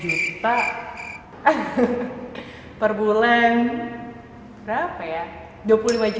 sepuluh juta perbulan berapa ya dua puluh lima juta kayaknya pak